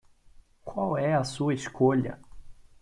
Qual é a sua escolha?